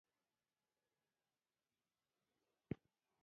ددوي د ټولو چابېتو د تعداد پۀ باره کښې